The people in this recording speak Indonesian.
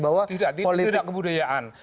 bahwa tidak itu tidak kebudayaan